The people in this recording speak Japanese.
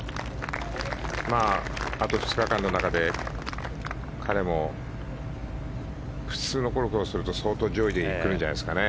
あと２日間の中で彼も普通のゴルフをすると相当、上位にくるんじゃないですかね。